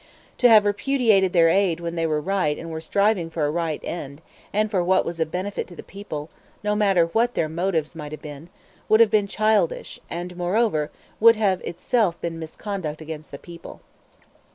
To have repudiated their aid when they were right and were striving for a right end, and for what was of benefit to the people no matter what their motives may have been would have been childish, and moreover would have itself been misconduct against the people.